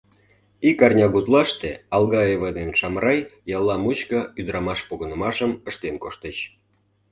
Ик арня гутлаште Алгаева ден Шамрай ялла мучко ӱдырамаш погынымашым ыштен коштыч.